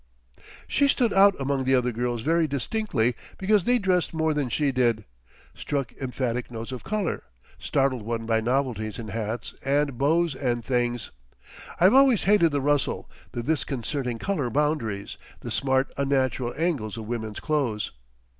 She stood out among the other girls very distinctly because they dressed more than she did, struck emphatic notes of colour, startled one by novelties in hats and bows and things. I've always hated the rustle, the disconcerting colour boundaries, the smart unnatural angles of women's clothes.